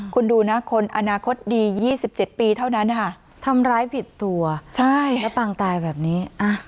คุณดูนะคนอนาคตดี๒๗ปีเท่านั้นนะคะทำร้ายผิดตัวแล้วปางตายแบบนี้